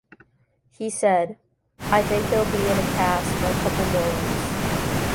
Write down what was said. He said: I think he'll be in a cast for a couple more weeks.